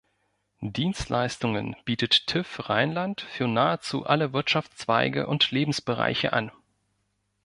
Dienstleistungen bietet TÜV Rheinland für nahezu alle Wirtschaftszweige und Lebensbereiche an.